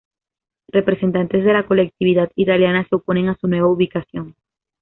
Representantes de la colectividad italiana se oponen a su nueva ubicación.